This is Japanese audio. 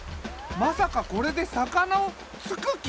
まさかこれで魚をつく気？